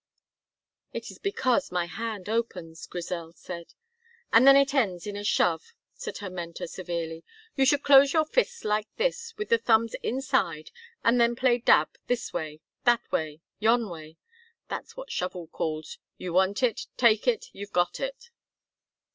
"It is because my hand opens," Grizel said. "And then it ends in a shove," said her mentor, severely. "You should close your fists like this, with the thumbs inside, and then play dab, this way, that way, yon way. That's what Shovel calls, 'You want it, take it, you've got it.'"